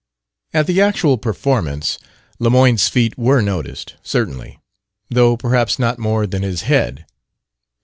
At the actual performance Lemoyne's feet were noticed, certainly; though perhaps not more than his head.